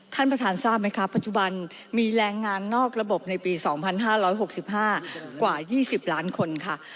ท่านประธานทราบไหมคะปัจจุบันมีแรงงานนอกระบบในปี๒๕๖๕กว่า๒๐ล้านคนค่ะ